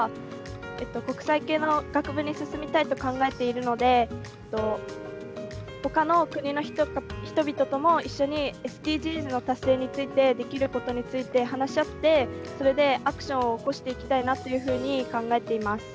まずはほかの国の人々とも一緒にＳＤＧｓの達成についてできることについて話し合ってそれでアクションを起こしていきたいなというふうに考えています。